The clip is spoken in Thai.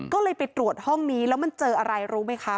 ก็เลยไปตรวจห้องนี้แล้วมันเจออะไรรู้ไหมคะ